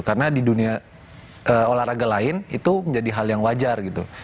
karena di dunia olahraga lain itu menjadi hal yang wajar gitu